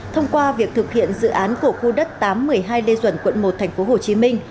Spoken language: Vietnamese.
thông qua việc thực hiện dự án cổ khu đất tám trăm một mươi hai lê duẩn quận một tp hcm